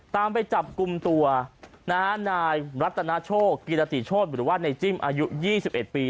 ไปจับกลุ่มตัวนายรัตนาโชคกิรติโชธหรือว่าในจิ้มอายุ๒๑ปี